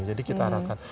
jadi kita arahkan